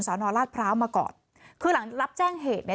นอราชพร้าวมาก่อนคือหลังรับแจ้งเหตุเนี่ย